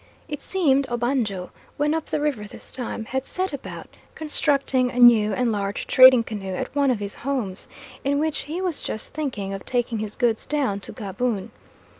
It seemed Obanjo, when up the river this time, had set about constructing a new and large trading canoe at one of his homes, in which he was just thinking of taking his goods down to Gaboon.